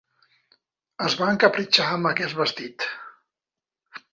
Es va encapritxar amb aquest vestit!